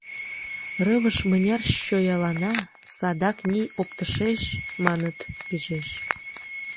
Рывыж мыняр чоялана, садак ний оптышеш, маныт, пижеш...